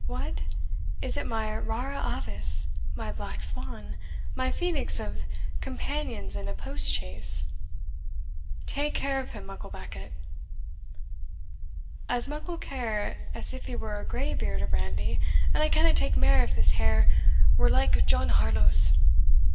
"What! is it my rara avis my black swan my phoenix of companions in a post chaise? take care of him, Mucklebackit." "As muckle care as if he were a graybeard o' brandy; and I canna take mair if his hair were like John Harlowe's.